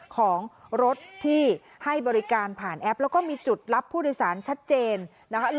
ของรถที่ให้บริการผ่านแอปแล้วก็มีจุดรับผู้โดยสารชัดเจนนะคะ